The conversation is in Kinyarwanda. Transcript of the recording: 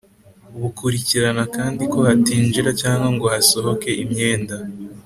Bukurikirana kandi ko hatinjira cyangwa ngo hasohoke imyenda.